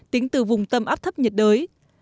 tính từ vùng tâm áp thấp nhiệt đới